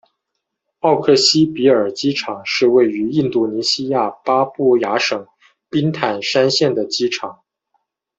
奥克西比尔机场是位于印度尼西亚巴布亚省宾坦山县的机场。